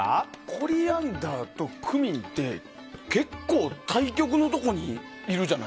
コリアンダーとクミンって結構対極のところにいるじゃない。